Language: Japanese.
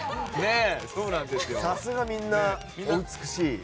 さすが、みんなお美しい。